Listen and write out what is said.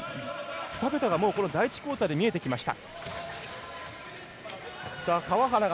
２桁が、第１クオーターで見えてきました。